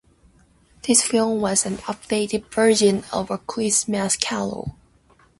This film was an updated version of "A Christmas Carol".